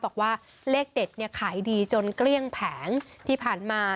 บอกว่าเลขเด็ดเนี่ยขายดีจนเกลี้ยงแผงที่ผ่านมา